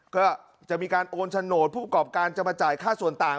ก็จะมีการโอนโฉนดผู้ประกอบการจะมาจ่ายค่าส่วนต่าง